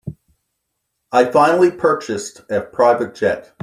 I finally purchased a private jet.